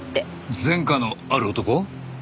前科のある男？